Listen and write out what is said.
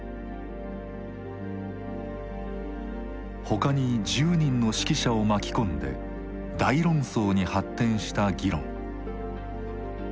他に１０人の識者を巻き込んで大論争に発展した議論。